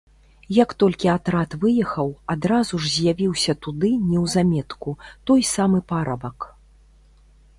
Як толькі атрад выехаў, адразу ж з'явіўся туды, неўзаметку, той самы парабак.